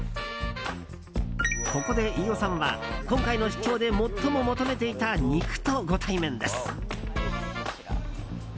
ここで飯尾さんは今回の出張で最も求めていた肉とご対面です。